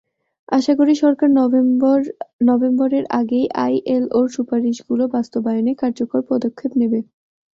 আশা করি, সরকার নভেম্বরের আগেই আইএলওর সুপারিশগুলো বাস্তবায়নে কার্যকর পদক্ষেপ নেবে।